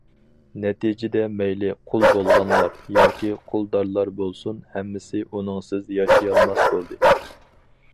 نەتىجىدە مەيلى قۇل بولغانلار ياكى قۇلدارلار بولسۇن، ھەممىسى ئۇنىڭسىز ياشىيالماس بولدى.